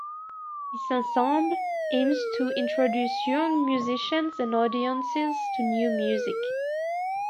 This ensemble aims to introduce young musicians and audiences to new music.